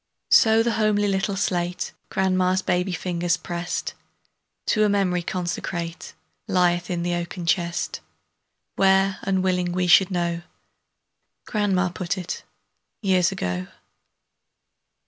So the homely little slate Grandma's baby's fingers pressed, To a memory consecrate, Lieth in the oaken chest, Where, unwilling we should know, Grandma put it, years ago.